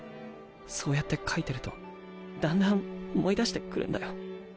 そうやって描いてるとだんだん思い出してくるんだよ。